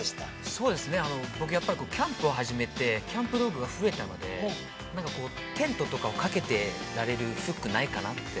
◆そうですね、僕、キャンプを始めて、キャンプ道具が増えたので、なんかこうテントとかをかけてられるフックないかなって。